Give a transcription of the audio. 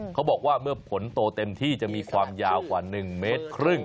เขาบอกว่าเมื่อผลโตเต็มที่จะมีความยาวกว่า๑เมตรครึ่ง